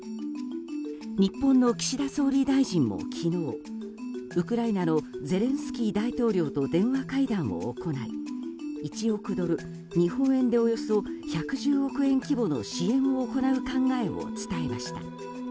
日本の岸田総理大臣も昨日ウクライナのゼレンスキー大統領と電話会談を行い１億ドル、日本円でおよそ１１０億円規模の支援を行う考えを伝えました。